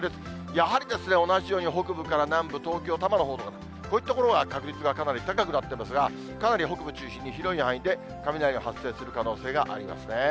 やはり同じように北部から南部、東京・多摩のほうに、こういった所は確率がかなり高くなってますが、かなり北部中心に広い範囲で雷が発生する可能性がありますね。